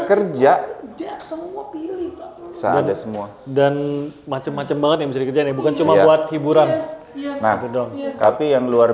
kerja ada semua dan macam macam banget yang bisa dikejar bukan cuma buat hiburan tapi yang luar